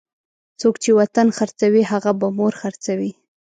څوک چې وطن خرڅوي هغه به مور خرڅوي.